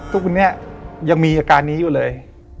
ทุกวันนี้ยังมีอาการนี้อยู่เลย